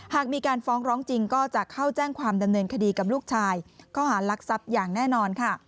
หากมีการฟ้องร้องจริงก็จะเข้าแจ้งความดำเนินคดีกับลูกชายข้อหารักทรัพย์อย่างแน่นอนค่ะ